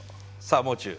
さあもう中。